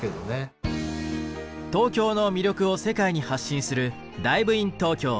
東京の魅力を世界に発信する「ＤｉｖｅｉｎＴｏｋｙｏ」。